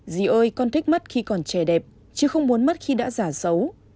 gì ơi con thích mất khi còn trẻ đẹp chứ không muốn mất khi đã giả xấu